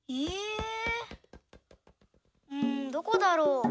うんどこだろう？